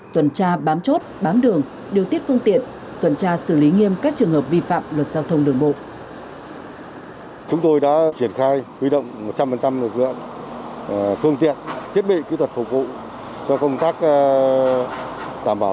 tuần tra bám chốt bám đường điều tiết phương tiện tuần tra xử lý nghiêm các trường hợp vi phạm luật giao thông đường bộ